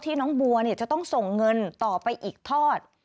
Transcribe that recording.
น้องบัวจะต้องส่งเงินต่อไปอีกทอด